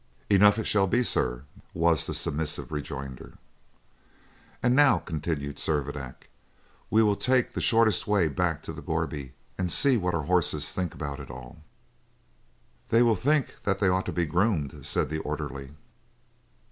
"Enough it shall be, sir," was the submissive rejoinder. "And now," continued Servadac, "we will take the shortest way back to the gourbi, and see what our horses think about it all." "They will think that they ought to be groomed," said the orderly.